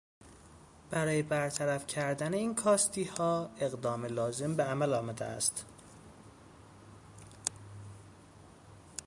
برای برطرف کردن این کاستیها اقدام لازم به عمل آمده است.